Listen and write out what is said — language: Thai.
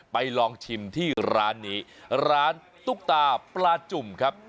ลองชิมที่ร้านนี้ร้านตุ๊กตาปลาจุ่มครับ